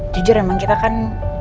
jujur emang kita kan